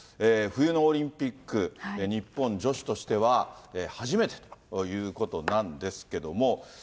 冬のオリンピック、日本女子としては初めてということなんですけども。